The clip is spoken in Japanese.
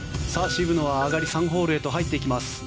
渋野は上がり３ホールへと入っていきます。